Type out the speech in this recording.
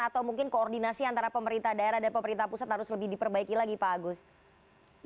atau mungkin koordinasi antara pemerintah daerah dan pemerintah pusat harus lebih diperbaiki lagi pak agus